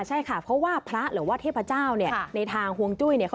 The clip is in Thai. ใช่ค่ะเพราะว่าพระหรือว่าเทพเจ้าเนี่ยในทางห่วงจุ้ยเนี่ย